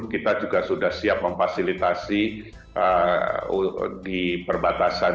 kita juga sudah siap memfasilitasi di perbatasan